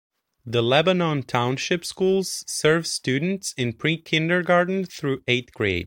The Lebanon Township Schools serves students in pre-kindergarten through eighth grade.